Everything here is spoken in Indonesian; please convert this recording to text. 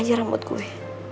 biar rambut gue